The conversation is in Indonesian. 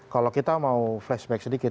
kalau kita mau flashback sedikit